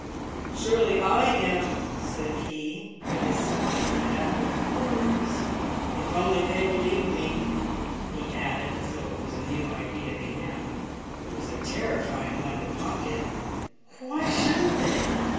"Surely I am," said he; but his smile went out with the words. "If only they believe me!" he added as though it was a new idea to him. It was a terrifying one to Pocket. "Why shouldn't they?"